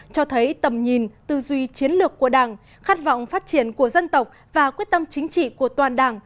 cho thấy tầm nhìn tư duy chiến lược của đảng khát vọng phát triển của dân tộc và quyết tâm chính trị của toàn đảng